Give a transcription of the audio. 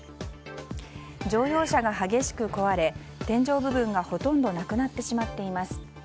乗用車が激しく壊れ、天井部分がほとんどなくなってしまっています。